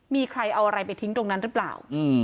มีใครเอาอะไรไปทิ้งตรงนั้นหรือเปล่า